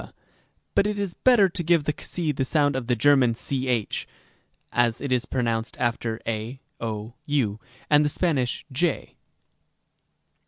3 and x, but it is better to give x the sound of the German ch (as it is pronounced after a, 0, w) and the Spanish ἡ.